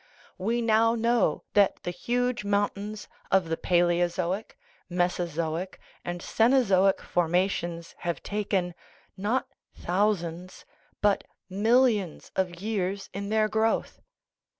We now know that the huge moun tains of the palaeozoic, mesozoic, and cenozoic forma tions have taken, not thousands, but millions of years in their growth.